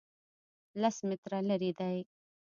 لس متره لرې دی